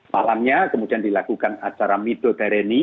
malamnya kemudian dilakukan acara midodareni